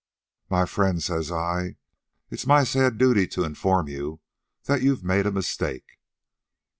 "'Well, my friend,' says I, 'it's my sad duty to inform you that you've made a mistake.'